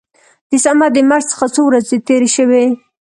د صمد د مرګ څخه څو ورځې تېرې شوې.